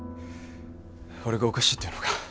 俺がおかしいって言うのか。